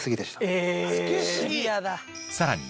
さらに